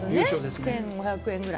１５００円ぐらい。